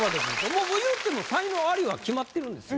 もういうても才能アリは決まってるんですよ。